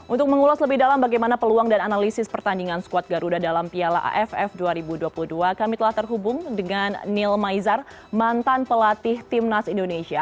untuk mengulas lebih dalam bagaimana peluang dan analisis pertandingan squad garuda dalam piala aff dua ribu dua puluh dua kami telah terhubung dengan nil maizar mantan pelatih timnas indonesia